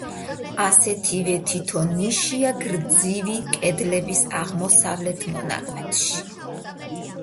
ასეთივე თითო ნიშია გრძივი კედლების აღმოსავლეთ მონაკვეთში.